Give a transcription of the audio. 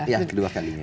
iya kedua kalinya